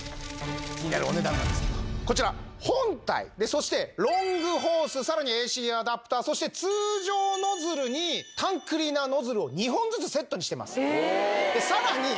気になるお値段なんですけどこちら本体そしてロングホースさらにＡＣアダプターそして通常ノズルにタンクリーナーノズルを２本ずつセットにしてます。